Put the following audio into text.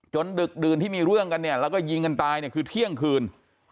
ดึกดื่นที่มีเรื่องกันเนี่ยแล้วก็ยิงกันตายเนี่ยคือเที่ยงคืน